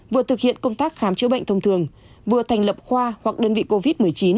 vừa thực hiện công tác khám chữa bệnh thông thường vừa thành lập khoa hoặc đơn vị covid một mươi chín